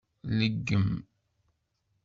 Leggem.